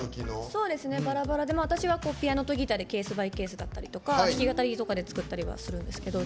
そうですねバラバラで私がピアノとギターでケースバイケースだったりとか弾き語りとかで作ったりはするんですけど。